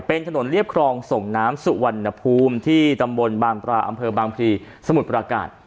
เป็นถนนเรียบครองส่งน้ำสุวรรณภูมิที่ตำบลบางปราอำเภอบางพลีสมุทรปราการ